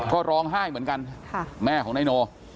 ก็ร้องไห้เหมือนกันแม่ของนายโน